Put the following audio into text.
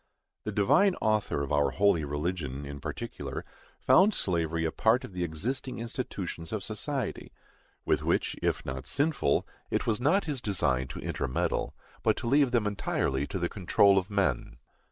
The Divine Author of our holy religion, in particular, found slavery a part of the existing institutions of society; with which, if not sinful, it was not his design to intermeddle, but to leave them entirely to the control of men.